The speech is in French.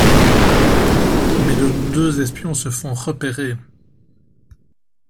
Mais nos deux espions se font repérer.